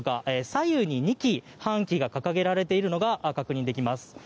左右に２基、半旗が掲げられているのが確認できます。